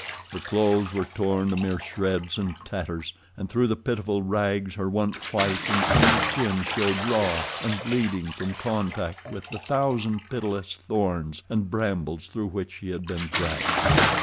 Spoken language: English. Her clothes were torn to mere shreds and tatters, and through the pitiful rags her once white and tender skin showed raw and bleeding from contact with the thousand pitiless thorns and brambles through which she had been dragged.